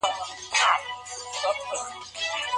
د نکاح ضروري شرايط بايد پوره سوي وي.